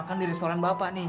gini loh ayah jadi